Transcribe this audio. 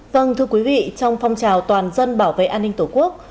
vâng thưa quý vị trong phong trào toàn dân bảo vệ an ninh tổ quốc